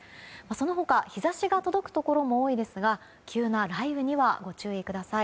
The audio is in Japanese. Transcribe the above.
その他、日差しが届くところも多いですが急な雷雨にはご注意ください。